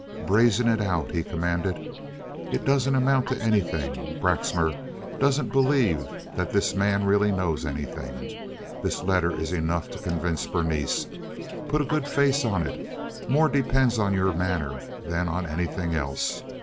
"Brazen it out," he commanded. "It doesn't amount to anything. Braxmar doesn't believe that this man really knows anything. This letter is enough to convince Berenice. Put a good face on it; more depends on your manner than on anything else.